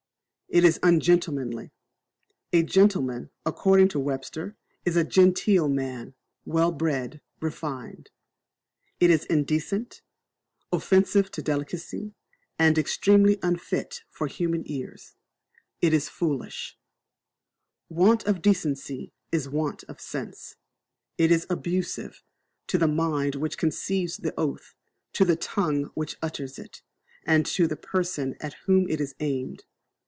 It is ungentlemanly, A gentleman, according to Webster, is a genteel man well bred, refined. It is indecent, offensive to delicacy, and extremely unfit for human ears. It is foolish. "Want of decency is want of sense." It is abusive to the mind which conceives the oath, to the tongue which utters it, and to the person at whom it is aimed.